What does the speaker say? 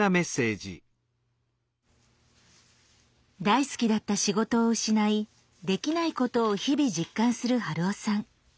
大好きだった仕事を失いできないことを日々実感する春雄さん。